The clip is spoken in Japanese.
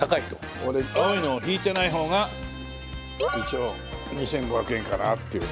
俺青いのを敷いてない方が一応２５００円かなっていうね。